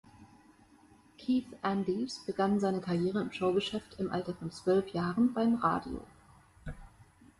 Keith Andes begann seine Karriere im Showgeschäft im Alter von zwölf Jahren beim Radio.